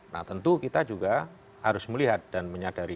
nah tentu kita juga harus melihat dan menyadari